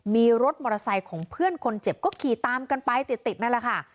มีรถมอเตอร์ไซค์ของเพื่อนคนเจ็บก็ขี่ตามกันไปติดนั่นแหละค่ะ